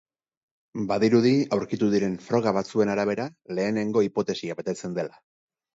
Badirudi, aurkitu diren froga batzuen arabera, lehenengo hipotesia betetzen dela.